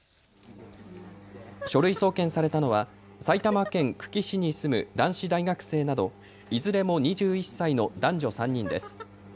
書類送検されたのは埼玉県久喜市に住む男子大学生などいずれも２１歳の男女３人です。